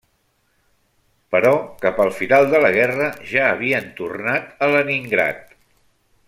Però cap al final de la guerra ja havien tornat a Leningrad.